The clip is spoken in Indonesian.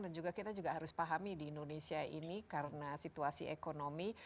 dan kita juga harus pahami di indonesia ini karena situasi ekonomi